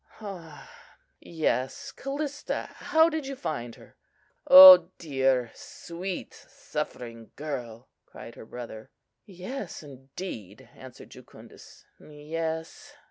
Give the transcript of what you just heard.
Ah! yes, Callista; how did you find her?" "O dear, sweet, suffering girl!" cried her brother. "Yes, indeed!" answered Jucundus; "yes!"